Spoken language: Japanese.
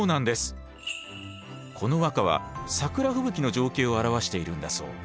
この和歌は桜吹雪の情景を表しているんだそう。